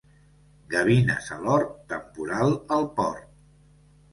Gavines a l'hort, temporal al port.